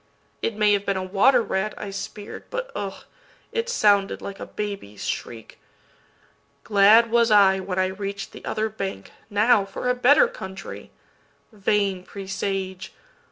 —It may have been a water rat I spear'd, But, ugh! it sounded like a baby's shriek. Glad was I when I reach'd the other bank. Now for a better country. Vain presage!